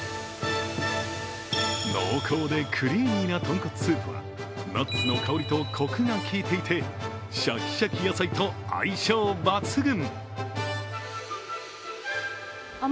濃厚でクリーミーな豚骨スープはナッツの香りとこくが効いていて、シャキシャキ野菜と相性抜群。